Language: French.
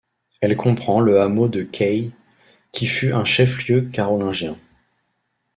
Elle comprend le hameau de Queille qui fut un chef-lieu carolingien.